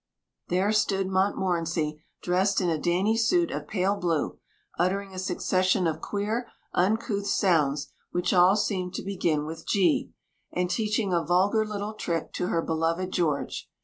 There stood Montmorency, dressed in a dainty suit of pale blue, uttering a succession of queer, uncouth sounds which all seemed to begin with "G," and teaching a vulgar little trick to her beloved George.